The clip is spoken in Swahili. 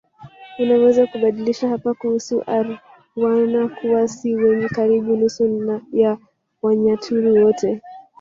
Unaweza kubadilisha hapa kuhusu Airwana kuwa si wengi karibu nusu ya Wanyaturu wote